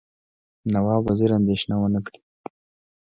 نواب وزیر اندېښنه ونه کړي.